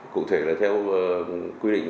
cụ thể là theo quy định